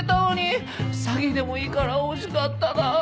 詐欺でもいいから欲しかったなあ。